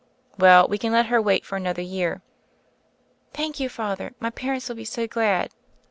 "Well, we can let her wait for another year." "Thank you, Father, my parents will be so glad."